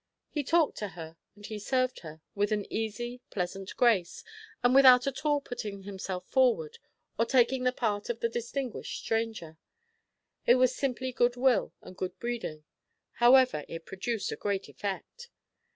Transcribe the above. He talked to her, and he served her, with an easy, pleasant grace, and without at all putting himself forward or taking the part of the distinguished stranger. It was simply good will and good breeding; however, it produced a great effect.